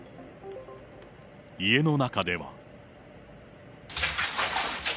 家の中では。